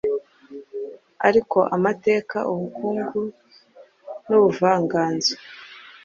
ariyo Amateka, Ubukungu n’Ubuvanganzo.